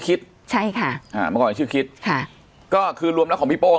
ใช่ค่ะอ่าเมื่อก่อนชื่อคิดค่ะก็คือรวมแล้วของพี่โป้ง